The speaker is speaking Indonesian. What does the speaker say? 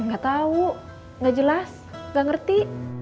gak tau gak jelas gak ngerti